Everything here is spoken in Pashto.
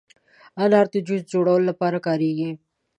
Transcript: انار د جوس جوړولو لپاره کارېږي.